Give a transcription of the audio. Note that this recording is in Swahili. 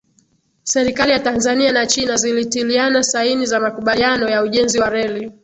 Serikali ya Tanzania na china zilitiliana saini za makubaliano ya ujenzi wa reli